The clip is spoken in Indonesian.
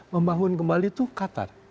membangun kembali itu qatar